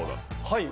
はい。